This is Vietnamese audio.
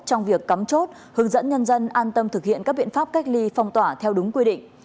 trong việc cắm chốt hướng dẫn nhân dân an tâm thực hiện các biện pháp cách ly phong tỏa theo đúng quy định